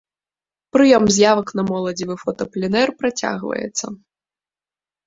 Прыём заявак на моладзевы фотапленэр працягваецца.